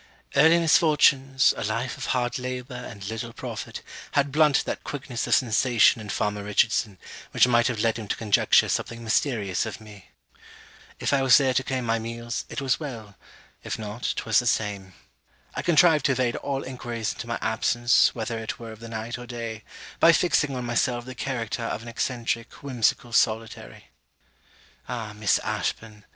Early misfortunes, a life of hard labour and little profit, had blunted that quickness of sensation in farmer Richardson, which might have led him to conjecture something mysterious of me. If I was there to claim my meals, it was well; if not, 'twas the same. I contrived to evade all enquiries into my absence, whether it were of the night or day, by fixing on myself the character of an eccentric whimsical solitary. Ah, Miss Ashburn!